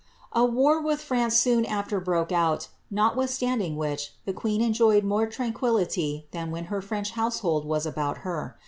A war with France soon after broke out, notwithstanding which, the queen enjoyed more tranquillity than when her French household was about her.